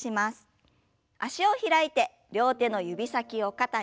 脚を開いて両手の指先を肩に。